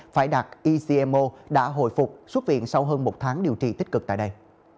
phải đặt ecmo đã hồi phục xuất viện sau hơn một tháng điều trị tích cực tại đây